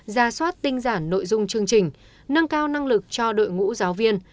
ra soát tinh giản nội dung chương trình nâng cao năng lực cho đội ngũ giáo viên